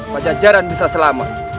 wajah jaran bisa selamat